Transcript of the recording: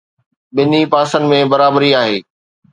ٻنهي پاسن ۾ برابري آهي.